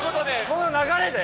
この流れで？